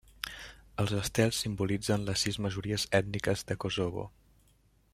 Els estels simbolitzen les sis majories ètniques de Kosovo.